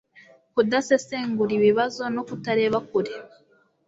kudasesengura ibibazo no kutareba kure